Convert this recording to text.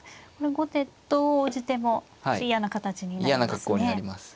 後手どう応じても嫌な形になりますね。